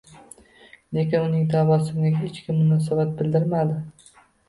Lekin uning tabassumiga hech kim munosabat bildirmadi